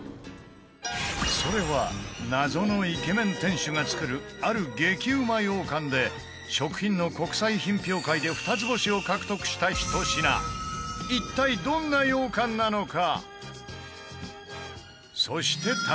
それは謎のイケメン店主が作るある激うま羊羹で食品の国際品評会で２ツ星を獲得したひと品一体、どんな羊羹なのか？